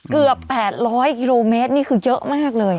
เกือบ๘๐๐กิโลเมตรนี่คือเยอะมากเลย